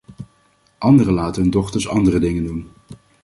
Anderen laten hun dochters andere dingen doen.